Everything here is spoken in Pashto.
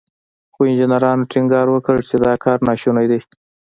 خو انجنيرانو ټينګار وکړ چې دا کار ناشونی دی.